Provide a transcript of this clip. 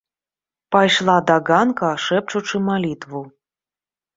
Пайшла да ганка шэпчучы малітву.